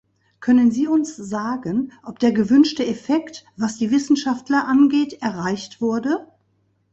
Können Sie uns sagen, ob der gewünschte Effekt, was die Wissenschaftler angeht, erreicht wurde?